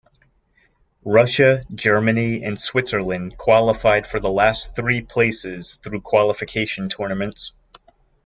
Russia, Germany, and Switzerland qualified for the last three places through qualification tournaments.